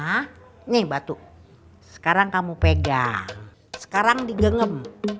nah ini batu sekarang kamu pegang sekarang digengem